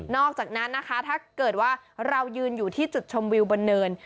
อกจากนั้นนะคะถ้าเกิดว่าเรายืนอยู่ที่จุดชมวิวบนเนิน